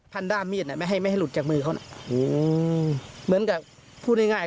ด้ามมีดน่ะไม่ให้ไม่ให้หลุดจากมือเขาน่ะอืมเหมือนกับพูดง่ายง่าย